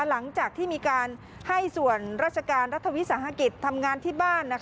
หลังจากที่มีการให้ส่วนราชการรัฐวิสาหกิจทำงานที่บ้าน